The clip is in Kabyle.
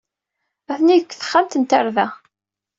Atni deg texxamt n tarda.